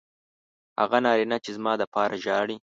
هغه نارینه چې زما دپاره ژاړي